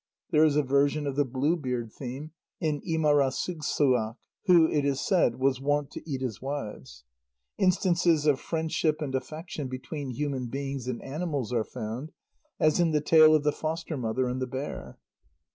There is a version of the Bluebeard theme in Ímarasugssuaq, "who, it is said, was wont to eat his wives." Instances of friendship and affection between human beings and animals are found, as in the tale of the Foster mother and the Bear.